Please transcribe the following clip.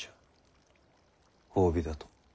褒美だと。